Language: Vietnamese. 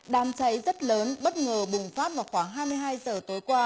đám cháy rất lớn bất ngờ bùng phát vào khoảng hai mươi hai giờ tối qua